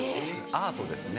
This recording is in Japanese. アートですね。